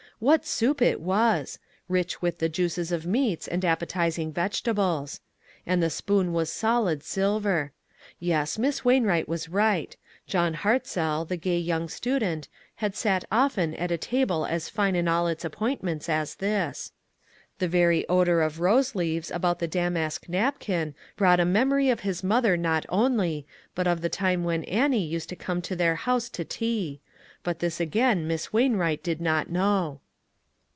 What soup it was! Rich with the juices of meats and appetizing vege tables. And the spoon was solid silver. Yes, Miss Wainwright was right. John Hartzell, the gay young student, had sat often at a table as fine in all its appoint ments as this. The very odor of rose leaves about the damask napkin brought a mem ory of his mother not only but of the time when Annie used to come to their house to tea ; but this again Miss Wainwright did not know.